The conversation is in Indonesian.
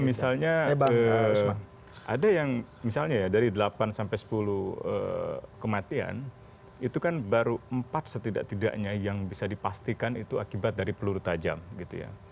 misalnya ada yang misalnya ya dari delapan sampai sepuluh kematian itu kan baru empat setidak tidaknya yang bisa dipastikan itu akibat dari peluru tajam gitu ya